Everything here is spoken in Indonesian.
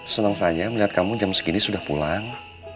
senang saja melihat kamu jam segini sudah pulang